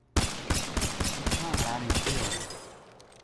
اونٹھاں ہاڑا نے کہیو